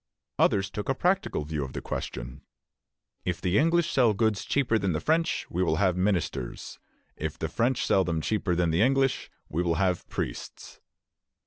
Others took a practical view of the question. "If the English sell goods cheaper than the French, we will have ministers; if the French sell them cheaper than the English, we will have priests."